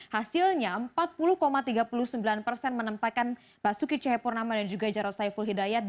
hasilnya empat puluh tiga puluh sembilan persen menempatkan basuki cahayapurnama dan juga jarod saiful hidayat